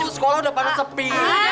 sekolah udah panas sepi